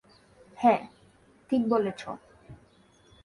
হ্যাঁ, ঠিক বলেছো।